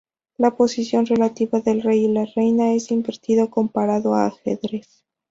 La posición relativa del rey y la reina es invertido comparado a ajedrez.